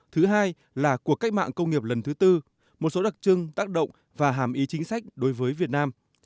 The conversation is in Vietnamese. thứ hai là cuộc cách mạng công nghiệp lần thứ tư một số đặc trưng tác động và hàm ý chính sách đối với việt nam